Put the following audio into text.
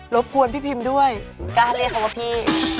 บกวนพี่พิมด้วยกล้าเรียกเขาว่าพี่